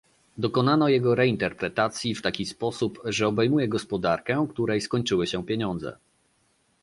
Dokonano jego reinterpretacji w taki sposób, że obejmuje gospodarkę, której skończyły się pieniądze